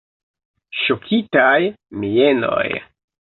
Ŝokitaj mienoj.